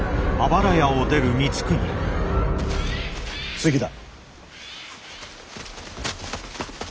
次だ。